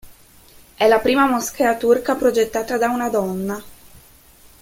È la prima moschea turca progettata da una donna.